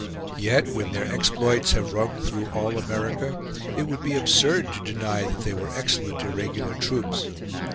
Yet when their exploits have rung through all America, it would be absurd to deny that they were excellent irregular troops.